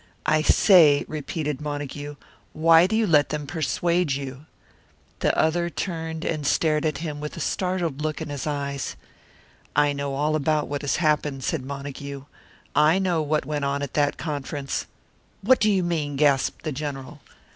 "I say," repeated Montague, "why do you let them persuade you?" The other turned and stared at him, with a startled look in his eyes. "I know all about what has happened," said Montague. "I know what went on at that conference." "What do you mean?" gasped the General.